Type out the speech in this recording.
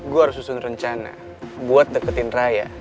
gue harus susun rencana buat deketin raya